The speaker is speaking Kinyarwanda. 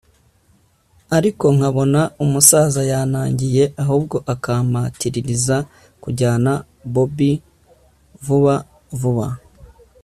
ariko nkabona umusaza yanangiye ahubwo akampatiririza kujyana bobi vuba vuba